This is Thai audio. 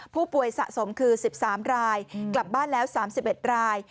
ผู้ป่วยสะสมคือ๑๓รายกลับบ้านแล้ว๓๑ราย